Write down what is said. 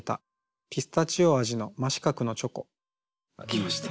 きました。